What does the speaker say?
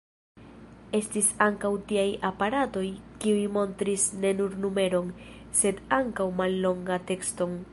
Estis ankaŭ tiaj aparatoj, kiuj montris ne nur numeron, sed ankaŭ mallongan tekston.